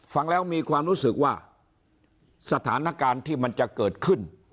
ฟังแล้วมีความรู้สึกว่าสถานการณ์ที่มันจะเกิดขึ้น